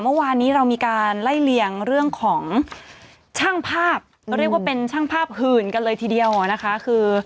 เมื่อวานนี้เรามีการไล่เลี่ยงเรื่องของช่างภาพเรียกว่าเป็นช่างภาพหื่นกันเลยทีเดียวอ่ะนะคะคือ